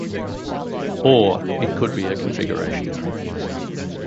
Or, it could be a configuration error.